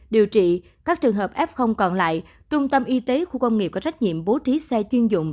điều trị các trường hợp f còn lại trung tâm y tế khu công nghiệp có trách nhiệm bố trí xe chuyên dụng